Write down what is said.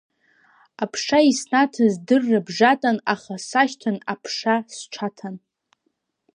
Аԥша иснаҭаз дырра бжатан, аха сашьҭан аԥша сҽаҭан.